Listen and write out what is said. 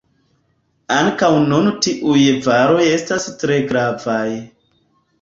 Ankaŭ nun tiuj varoj estas tre gravaj.